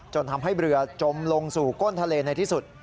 ทำให้เรือจมลงสู่ก้นทะเลในที่สุด